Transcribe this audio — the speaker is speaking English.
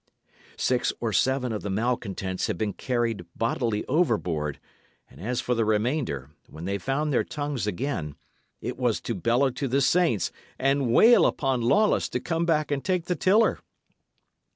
Six or seven of the malcontents had been carried bodily overboard; and as for the remainder, when they found their tongues again, it was to bellow to the saints and wail upon Lawless to come back and take the tiller.